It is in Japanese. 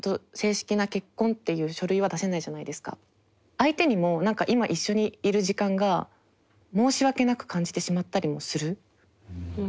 相手にも何か今一緒にいる時間が申し訳なく感じてしまったりもする。